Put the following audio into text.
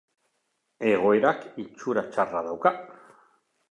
Egoerak itxura txarra dauka.